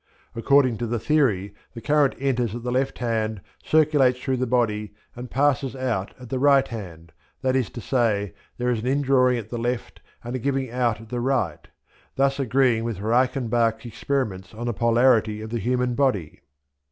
According to the theory, the current enters at the left hand, circulates through the body, and passes out at the right hand, that is to say, there is an indrawing at the left and a giving out at the right, thus agreeing with Reichenbach's experiments on the polarity of the human body.